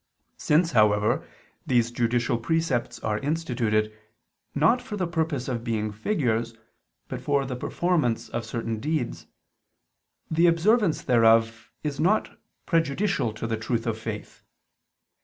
Since, however, these judicial precepts are instituted, not for the purpose of being figures, but for the performance of certain deeds, the observance thereof is not prejudicial to the truth of faith.